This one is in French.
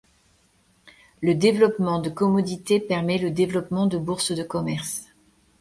Le développement de commodité permet le développement de bourses de commerce.